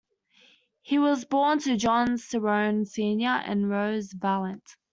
He was born to John Cerone Senior and Rose Valant.